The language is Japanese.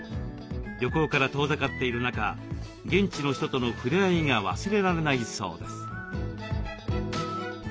旅行から遠ざかっている中現地の人との触れ合いが忘れられないそうです。